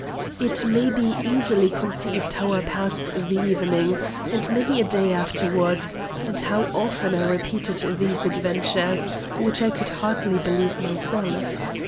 It may be easily conceived how I passed the evening, and many a day afterwards, and how often I repeated these adventures, which I could hardly believe myself.